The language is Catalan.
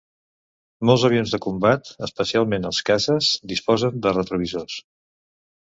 Molts avions de combat, especialment els caces, disposen de retrovisors.